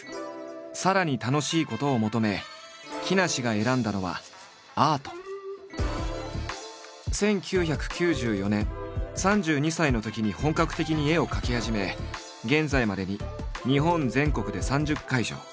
さらに楽しいことを求め木梨が選んだのは１９９４年３２歳のときに本格的に絵を描き始め現在までに日本全国で３０会場。